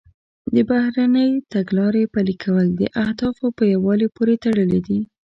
د بهرنۍ تګلارې پلي کول د اهدافو په یووالي پورې تړلي دي